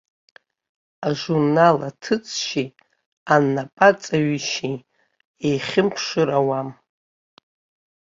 Ажурнал аҭыҵшьеи анапаҵаҩшьеи еихьымԥшыр ауам.